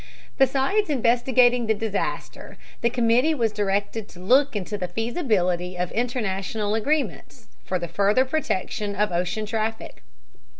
Besides investigating the disaster, the committee was directed to look into the feasibility of international agreements for the further protection of ocean traffic.